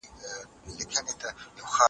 حقیقت تل روښانه پاتې کیږي.